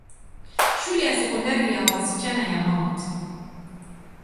Shule ya Sekondari ya wasichana ya Mt.